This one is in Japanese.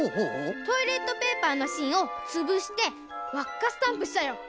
トイレットペーパーのしんをつぶしてわっかスタンプしたよ。